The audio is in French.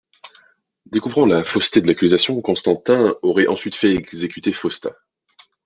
Découvrant la fausseté de l'accusation, Constantin aurait ensuite fait exécuter Fausta.